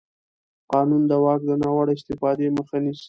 قانون د واک د ناوړه استفادې مخه نیسي.